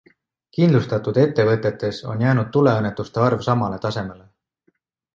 Kindlustatud ettevõtetes on jäänud tuleõnnetuste arv samale tasemele.